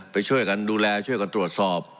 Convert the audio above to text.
ไปช่วยกันดูแลช่วยกันตรวจสอบ